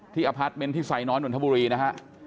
ที่อภัทรเม้นที่ใส่น้อยหนวนธบุรีนะฮะ